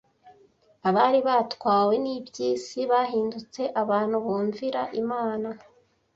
Abari baratwawe n’iby’isi bahindutse abantu bumvira Imana